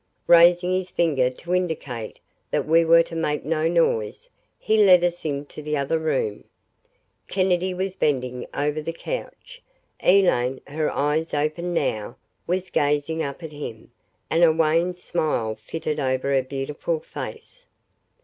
Raising his finger to indicate that we were to make no noise, he led us into the other room. Kennedy was bending over the couch. Elaine, her eyes open, now, was gazing up at him, and a wan smile flitted over her beautiful face.